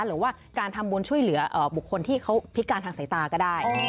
หรือว่าการทำบุญช่วยเหลือบุคคลที่เขาพิการทางสายตาก็ได้